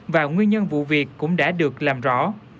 và nguyên nhân vụ việc cũng đã được làm rõ